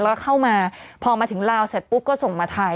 แล้วก็เข้ามาพอมาถึงลาวเสร็จปุ๊บก็ส่งมาไทย